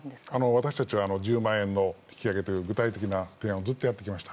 私たちは１０万円の引き上げという具体的な提案をずっとやってきました。